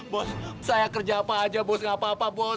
bos saya kerja apa aja bos gak apa apa bos